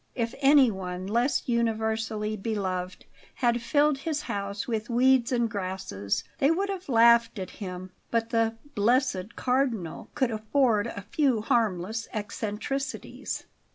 If anyone less universally beloved had filled his house with weeds and grasses they would have laughed at him; but the "blessed Cardinal" could afford a few harmless eccentricities.